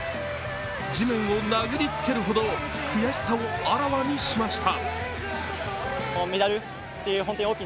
地面を殴りつけるほど悔しさをあらわにしました。